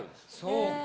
そうか。